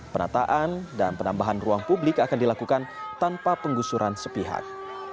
penataan dan penambahan ruang publik akan dilakukan tanpa penggusuran sepihak